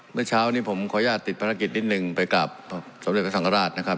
เมื่อเช้านี้ผมขออนุญาตติดภารกิจนิดนึงไปกับสมเด็จพระสังฆราชนะครับ